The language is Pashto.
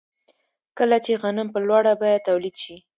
کله چې غنم په لوړه بیه تولید شي